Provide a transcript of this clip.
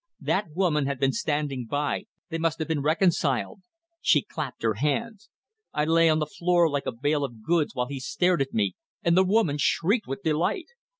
That woman had been standing by; they must have been reconciled. She clapped her hands. I lay on the floor like a bale of goods while he stared at me, and the woman shrieked with delight.